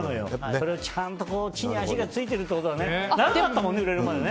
そこがちゃんと地に足がついてるってことだね。